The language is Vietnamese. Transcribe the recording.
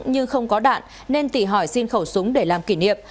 nhưng không có đạn nên tỷ hỏi xin khẩu súng để làm kỷ niệm